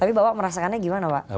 tapi bapak merasakannya gimana pak